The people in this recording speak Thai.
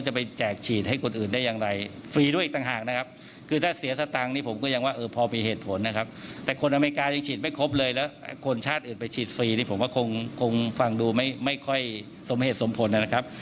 ฉีดวัคซีนฟรีนี่ผมว่าคงฟังดูไม่ค่อยสมเหตุสมผลนะครับ